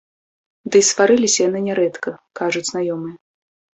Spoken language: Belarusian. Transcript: Ды і сварыліся яны нярэдка, кажуць знаёмыя.